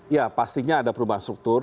ya pastinya ada perubahan struktur